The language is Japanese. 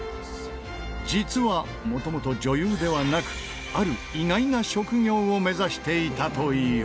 実はもともと女優ではなくある意外な職業を目指していたという。